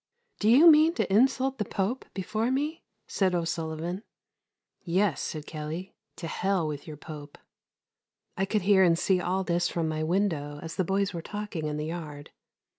"Do you mean to insult the Pope before me?" said O'Sullivan. "Yes," said Kelley, "to hell with your Pope." I could hear and see all this from my window, as the boys were talking in the yard.